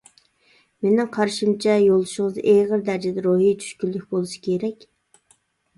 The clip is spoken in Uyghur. مېنىڭ قارىشىمچە يولدىشىڭىزدا ئېغىر دەرىجىدە روھىي چۈشكۈنلۈك بولسا كېرەك.